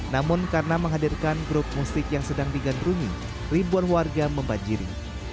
namun karena menghadirkan grup musik yang sedang digandrungi ribuan warga membanjiri